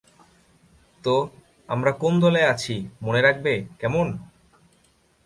তো আমরা কোন দলে আছি মনে রাখবে, কেমন?